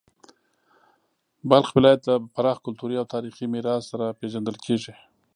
بلخ ولایت د پراخ کلتوري او تاریخي میراث سره پیژندل کیږي.